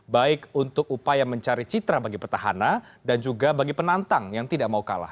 baik untuk upaya mencari citra bagi petahana dan juga bagi penantang yang tidak mau kalah